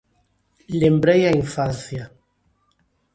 Lembrei a infancia.